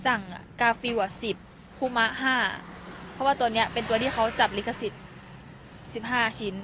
สั่งกาฟรีกว่า๑๐ฮุมะ๕เพราะว่าตัวนี้เป็นตัวที่เขาจับลิขสิทธิ์๑๕ชิ้น